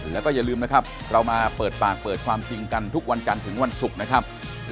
เย็นดีครับครับ